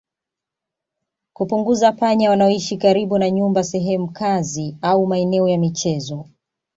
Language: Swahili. Kupunguza panya wanaoishi karibu na nyumba sehemu kazi au maeneo ya michezo